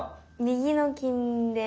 右の金で。